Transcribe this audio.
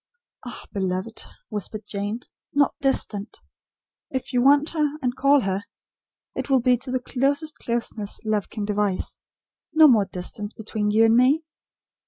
"Ah, beloved!" whispered Jane, "not 'distant.' If you want her, and call her, it will be to the closest closeness love can devise. No more distance between you and me."